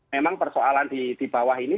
memang persoalan di bawah ini